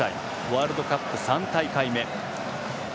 ワールドカップ３大会目。